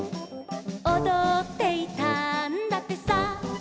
「おどっていたんだってさ」